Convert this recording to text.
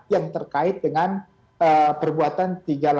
yang terkait dengan perbuatan tiga ratus delapan puluh